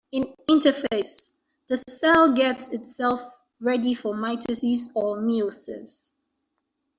In interphase, the cell gets itself ready for mitosis or meiosis.